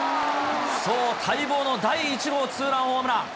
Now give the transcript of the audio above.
そう、待望の第１号ツーランホームラン。